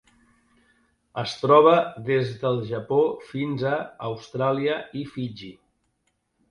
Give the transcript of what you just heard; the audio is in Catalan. Es troba des del Japó fins a Austràlia i Fiji.